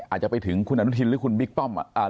อาจจะไปถึงคุณอนุทินหรือคุณบิ๊กป้อม